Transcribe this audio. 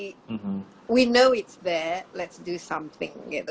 kita tahu itu terjadi mari kita lakukan sesuatu